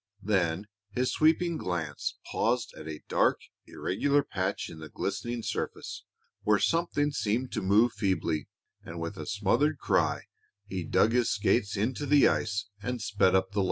Then his sweeping glance paused at a dark, irregular patch in the glistening surface where something seemed to move feebly, and with a smothered cry he dug his skates into the ice and sped up the lake.